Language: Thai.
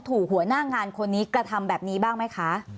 หัวหน้างานคนนี้กระทำแบบนี้บ้างไหมคะ